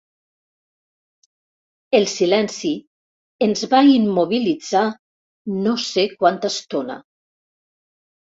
El silenci ens va immobilitzar no sé quanta estona.